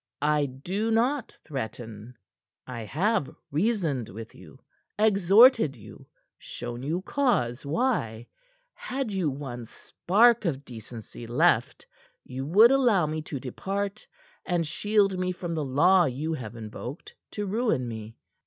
I do not threaten. I have reasoned with you, exhorted you, shown you cause why, had you one spark of decency left, you would allow me to depart and shield me from the law you have invoked to ruin me.